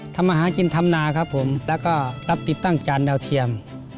ทำอาหารกินทำนาครับผมแล้วก็รับติดตั้งจานดาวเทียม